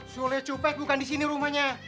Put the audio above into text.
sule copet bukan disini rumahnya